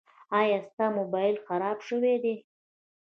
ایا ستا مبایل خراب شوی ده؟